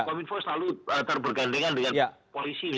kominfo selalu terbergandengan dengan polisi